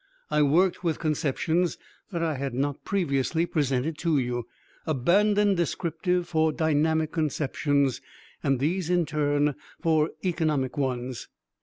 I worked with conceptions that I had not previously presented to you, abandoned descriptive for dynamic conceptions, and these in turn for economic ones.